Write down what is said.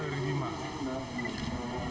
dua tpu tertembak